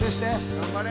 頑張れ。